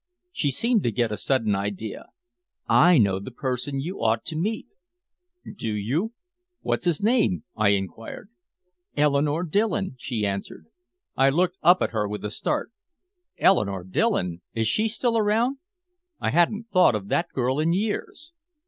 She seemed to get a sudden idea. "I know the person you ought to meet " "Do you? What's his name?" I inquired. "Eleanore Dillon," she answered. I looked up at her with a start. "Eleanore Dillon? Is she still around?" I hadn't thought of that girl in years.